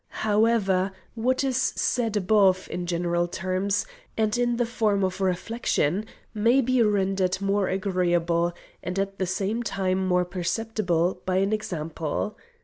"However, what is said above, in general terms, and in the form of reflection, may be rendered more agreeable, and at the same time more perceptible by an example.